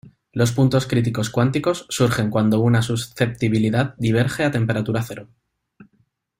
Los puntos críticos cuánticos surgen cuando una susceptibilidad diverge a temperatura cero.